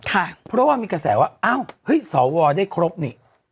เพราะว่ามีกระแสว่าอ้าวเฮ้ยสวได้ครบนี่